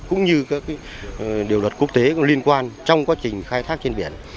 cũng như các điều luật quốc tế có liên quan trong quá trình khai thác trên biển